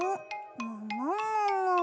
ももももも？